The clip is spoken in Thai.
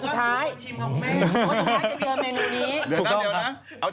จากกระแสของละครกรุเปสันนิวาสนะฮะ